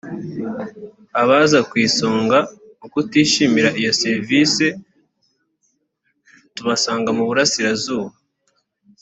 abaza ku isonga mu kutishimira iyo serivisi tubasanga mu burasirazuba